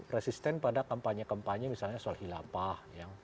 resisten pada kampanye kampanye misalnya soal hilafah